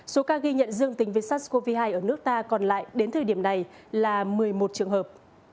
số ca ghi nhận dương tính với sars cov hai ở nước ta còn lại đến thời điểm này là một mươi một trường hợp